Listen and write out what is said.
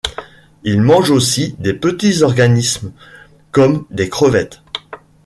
Ils mangent aussi des petits organismes comme des crevettes.